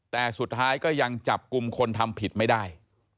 แต่สุดท้ายก็ยังจับกลุ่มคนทำผิดไม่ได้